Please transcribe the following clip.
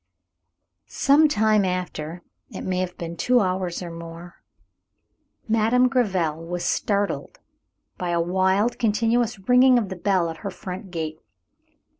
Sometime after, it may have been two hours or more, Madame Gréville was startled by a wild, continuous ringing of the bell at her front gate.